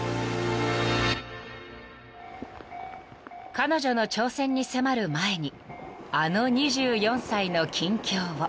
［彼女の挑戦に迫る前にあの２４歳の近況を］